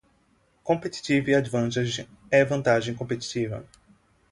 Competitive Advantage é a vantagem competitiva.